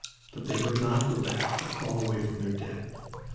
But they would not go back or crawl away from their dead.